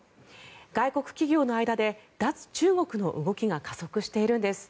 外国企業の間で脱中国の動きが加速しているんです。